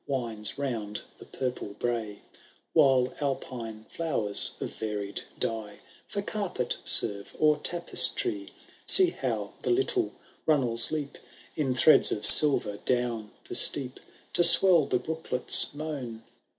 Winds round tiie purple brae, While Alpine flowers of varied dye For carpet serve, or tapestry. See how the little runnels leap. In threads of silver, down the steep. To swell the brooklet*s moan